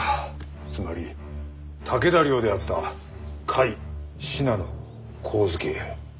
つまり武田領であった甲斐信濃上野。